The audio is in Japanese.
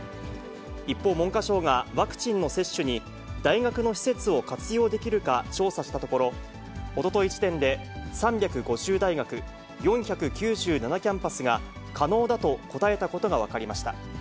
一方、文科省がワクチンの接種に大学の施設を活用できるか調査したところ、おととい時点で３５０大学４９７キャンパスが、可能だと答えたことが分かりました。